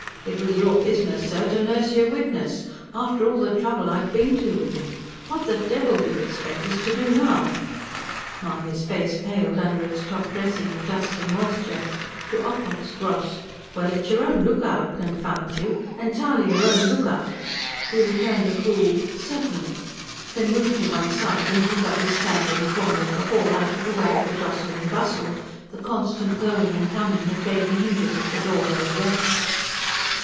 It was your business, sir, to nurse your witness ... after all the trouble I'd been to with him! What the devil do you expect us to do now?" Mahony's face paled under its top dressing of dust and moisture. To Ocock's gross: "Well, it's your own look out, confound you! entirely your own look out," he returned a cool: "Certainly," then moved to one side and took up his stand in a corner of the hall, out of the way of the jostle and bustle, the constant going and coming that gave the hinges of the door no rest.